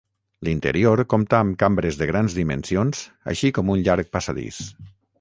L'interior compta amb cambres de grans dimensions així com un llarg passadís.